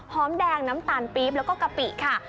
หอมแดงน้ำตาลปี๊บแล้วก็กะปิค่ะ